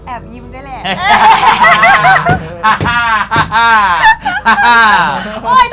ยิ้มด้วยแหละ